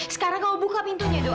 sekarang kamu buka pintunya dong